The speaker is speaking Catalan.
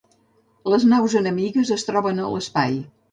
Les naus enemigues es troben a l'espai.